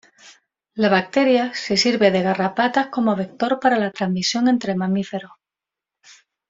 La bacteria se sirve de garrapatas como vector para la transmisión entre mamíferos.